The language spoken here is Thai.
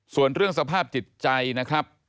ส่วนเรื่องสภาพจิตใจนะครับ